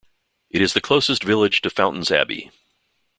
It is the closest village to Fountains Abbey.